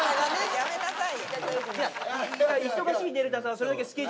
やめなさい。